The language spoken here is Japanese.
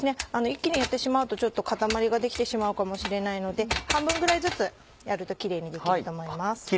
一気にやってしまうとちょっと固まりが出来てしまうかもしれないので半分ぐらいずつやるとキレイにできると思います。